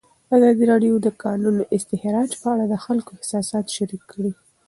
ازادي راډیو د د کانونو استخراج په اړه د خلکو احساسات شریک کړي.